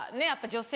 女性